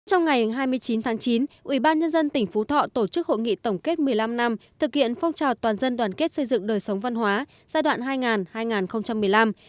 trong ngày hai mươi chín tháng chín ubnd tỉnh phú thọ tổ chức hội nghị tổng kết một mươi năm năm thực hiện phong trào toàn dân đoàn kết xây dựng đời sống văn hóa giai đoạn hai nghìn hai mươi năm